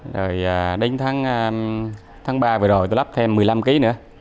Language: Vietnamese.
rồi đến tháng ba vừa rồi tôi lắp thêm một mươi năm ký nữa